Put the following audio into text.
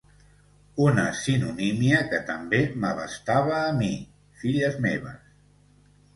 Una sinonímia que també m'abastava a mi, filles meves.